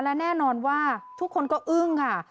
และแน่นอนว่าทุกคนก็อึ้งค่ะ